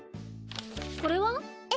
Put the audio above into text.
これは？え？